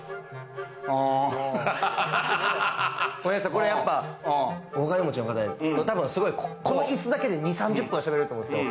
これやっぱ、お金持ちの方、すごいこのいすだけで２０３０分喋れると思うんすよ。